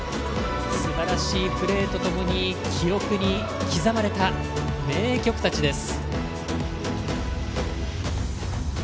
すばらしいプレーと共に記憶に刻まれた名曲たちです。